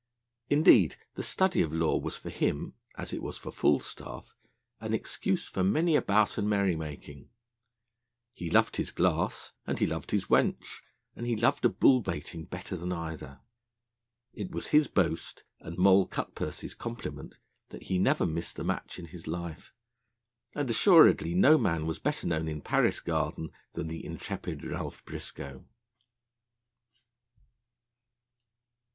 Indeed, the study of law was for him, as it was for Falstaff, an excuse for many a bout and merry making. He loved his glass, and he loved his wench, and he loved a bull baiting better than either. It was his boast, and Moll Cutpurse's compliment, that he never missed a match in his life, and assuredly no man was better known in Paris Garden than the intrepid Ralph Briscoe.